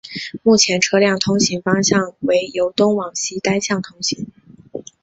目前车辆通行方向为由东往西单向通行。